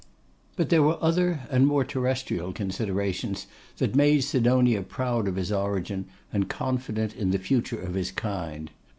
But there were other and more terrestrial considerations that made Sidonia proud of his origin, and confident in the future of his kind.